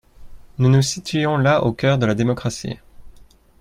Nous nous situons là au cœur de la démocratie.